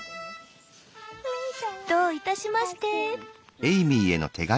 「どういたしまして」。